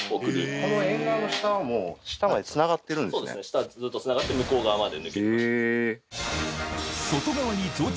下はずっとつながって向こう側まで。